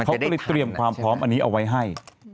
เขาก็เลยเตรียมความพร้อมอันนี้เอาไว้ให้